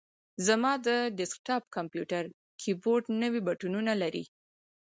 زما د ډیسک ټاپ کمپیوټر کیبورډ نوي بټنونه لري.